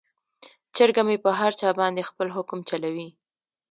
چرګه مې په هر چا باندې خپل حکم چلوي.